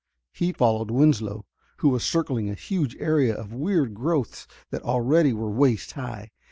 He followed Winslow, who was circling a huge area of weird growths that already were waist high.